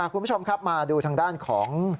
คุณผู้ชมครับมาดูทางด้านของ